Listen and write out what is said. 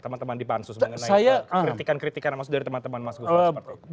teman teman di pansus mengenai kritikan kritikan dari teman teman mas gufron